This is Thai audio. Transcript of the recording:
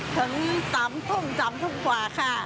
ถึงสามทุ่มสามทุ่มขวาค่ะ